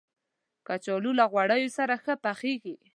کچالو له غوړیو سره ښه پخیږي